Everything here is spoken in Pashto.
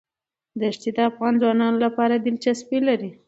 ښتې د افغان ځوانانو لپاره دلچسپي لري.